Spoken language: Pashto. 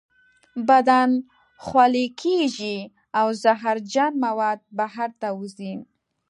بدن خوله کیږي او زهرجن مواد بهر ته وځي.